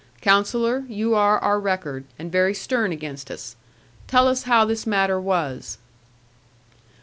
Counsellor, you are our record, and very stern against us; tell us how this matter was.'